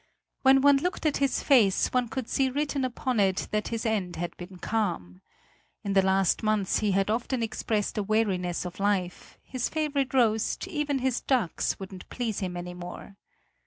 When one looked at his face, one could see written upon it that his end had been calm. In the last months he had often expressed a weariness of life; his favorite roast, even his ducks, wouldn't please him any more.